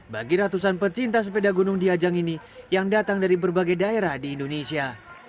bagi ratusan pecinta sepeda gunung di ajang ini yang datang dari berbagai daerah di indonesia